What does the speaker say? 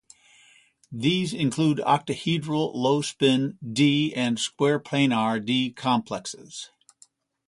These include octahedral, low-spin, "d" and square-planar "d" complexes.